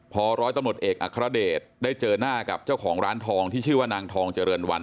พอร้อยตำรวจเอกอัครเดชได้เจอหน้ากับเจ้าของร้านทองที่ชื่อว่านางทองเจริญวัน